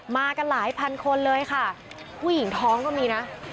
มากันหลายพันคนเลยค่ะผู้หญิงท้องก็มีนะ